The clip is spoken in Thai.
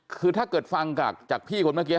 คือถ้าเกิดฟังจากพี่คนเมื่อกี้